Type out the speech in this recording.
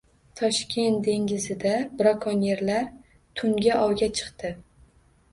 “Toshkent dengizi”da brokonyerlar tungi ovga chiqdi.